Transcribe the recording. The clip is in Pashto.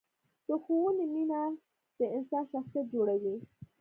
د ښوونې مینه د انسان شخصیت جوړوي.